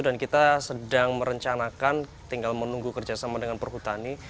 kita sedang merencanakan tinggal menunggu kerjasama dengan perhutani